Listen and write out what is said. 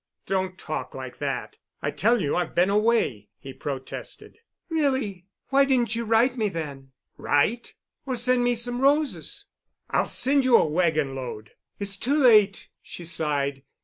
"Don't talk like that. I tell you I've been away," he protested. "Really! Why didn't you write to me then?" "Write?" "Or send me some roses?" "I'll send you a wagon load." "It's too late," she sighed.